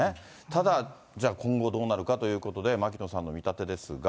ただ、じゃあ、今後どうなるかということで、牧野さんの見立てですが。